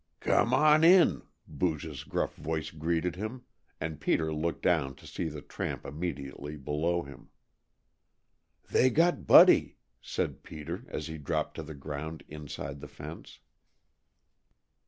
"Come on in," Booge's gruff voice greeted him, and Peter looked down to see the tramp immediately below him. "They got Buddy," said Peter, as he dropped to the ground inside the fence.